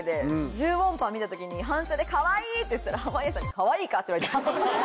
１０ウォンパン見た時に反射でかわいい！って言ったら濱家さんにかわいいか？って言われてハッとしました。